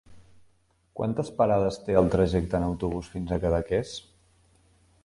Quantes parades té el trajecte en autobús fins a Cadaqués?